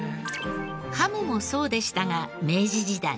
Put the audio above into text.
ハムもそうでしたが明治時代